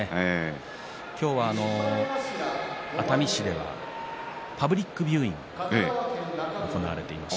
今日は熱海市ではパブリックビューイングが行われています。